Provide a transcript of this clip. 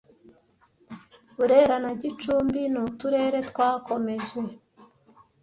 Burera na Gicumbi ni uturere twakomeje